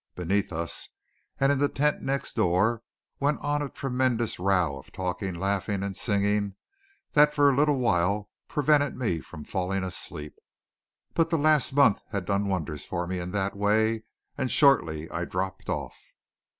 Beneath us and in the tent next door went on a tremendous row of talking, laughing, and singing that for a little while prevented me from falling asleep. But the last month had done wonders for me in that way; and shortly I dropped off.